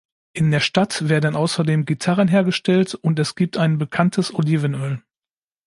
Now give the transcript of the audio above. In der Stadt werden außerdem Gitarren hergestellt und es gibt ein bekanntes Olivenöl.